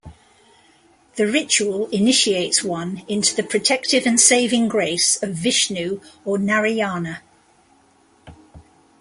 The ritual initiates one into the protective and saving grace of Vishnu or Narayana.